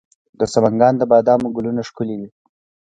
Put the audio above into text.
د سمنګان د بادامو ګلونه ښکلي دي.